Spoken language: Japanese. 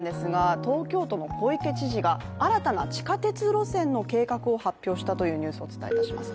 さて、続いてなんですが東京都の小池知事が新たな地下鉄路線の計画を発表したというニュースをお伝えします。